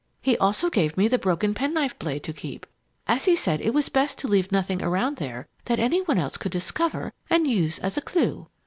He also gave me the broken penknife blade to keep, as he said it was best to leave nothing around there that any one else could discover and use as a clue.